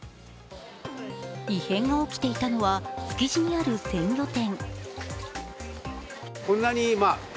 異変が起きていたのは築地にある鮮魚店。